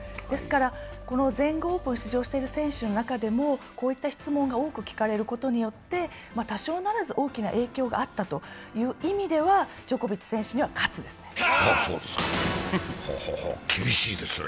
ですから、全豪オープンに出場している選手の中でもこういった質問が多く聞かれることによって、多少ならず、大きな影響があったという意味ではジョコビッチ選手には喝ですね。